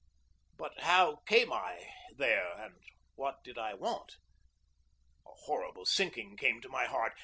But how came I there, and what did I want? A horrible sinking came to my heart.